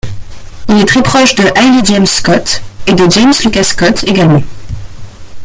Il est très proche de Haley James Scott et de James Lucas Scott également.